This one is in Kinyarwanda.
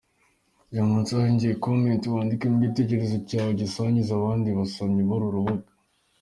Jya munsi ahagenewe “comment” wandikemo igitekerezo cyawe ugisangize abandi basomyi b’uru rubuga.